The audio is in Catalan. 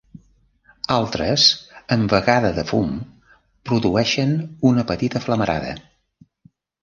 Altres en vegada de fum produeixen una petita flamarada.